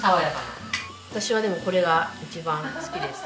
私はでもこれが一番好きです。